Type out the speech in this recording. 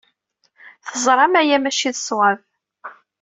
Teẓram aya maci d ṣṣwab.